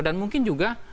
dan mungkin juga